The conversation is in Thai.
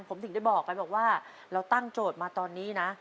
ผมถึงได้บอกไปบอกว่าเราตั้งโจทย์มาตอนนี้นะ